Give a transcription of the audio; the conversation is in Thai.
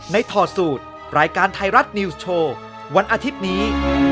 ถอดสูตรรายการไทยรัฐนิวส์โชว์วันอาทิตย์นี้